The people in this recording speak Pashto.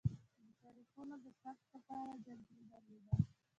د تاریخونو د ثبت لپاره جنتري درلوده.